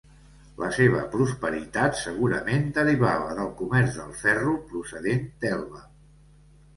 La seva prosperitat segurament derivava del comerç del ferro procedent d'Elba.